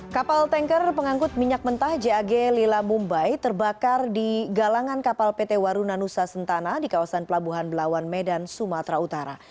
kapal tanker pengangkut minyak mentah jag lila mumbai terbakar di galangan kapal pt waruna nusa sentana di kawasan pelabuhan belawan medan sumatera utara